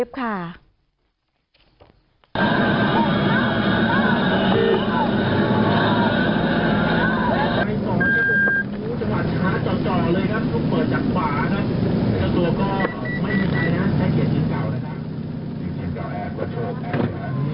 อีกครับ